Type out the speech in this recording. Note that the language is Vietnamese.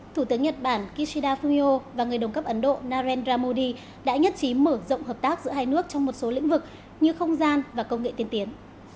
thủ tướng nhật bản kishida fumio và người đồng cấp ấn độ narendra modi đã nhất trí mở rộng hợp tác giữa hai nước trong một số lĩnh vực như không gian và công nghệ tiên tiến